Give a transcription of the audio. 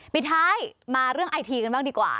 มิท้ามาเรื่องในเกี่ยวกันบ้างดีกว่า